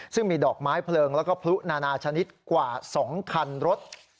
ซึ่งมีดอกไม้เพลิงแล้วก็พลุนานาชนิดกว่า๒คันรถ